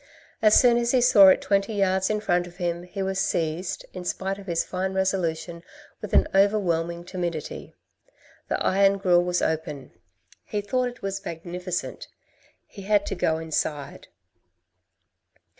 As soon as he saw it twenty yards in front of him he was seized, in spite of his fine resolution, with an overwhelming timidity. The iron grill was open. He thought it was magnificent. He had to go inside.